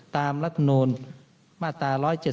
ตามรัฐนูนมาตรา๑๗๐